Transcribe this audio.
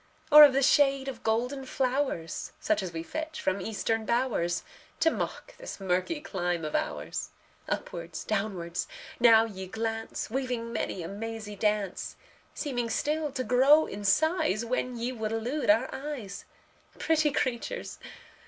Or of the shade of golden flowers, Such as we fetch from Eastern bowers, To mock this murky clime of ours? Upwards, downwards, now ye glance, Weaving many a mazy dance; Seeming still to grow in size When ye would elude our eyes Pretty creatures!